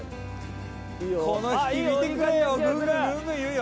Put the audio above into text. この引き見てくれよ